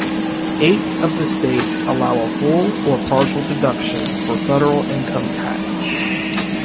Eight of the states allow a full or partial deduction for federal income tax.